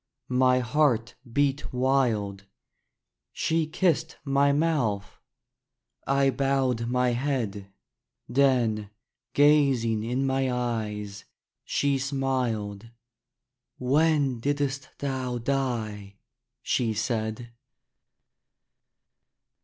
My heart beat wild. She kissed my mouth. I bowed my head. Then, gazing in my eyes, she smiled: "When did'st thou die?" she said.